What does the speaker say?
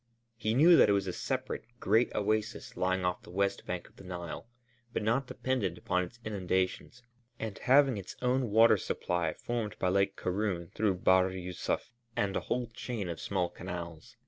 He knew that it was a separate, great oasis lying off the west bank of the Nile but not dependent upon its inundations and having its water system formed by Lake Karûn through Bahr Yûsuf and a whole chain of small canals.